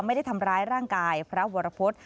ไม่ได้ทำร้ายร่างกายพระวรพฤษ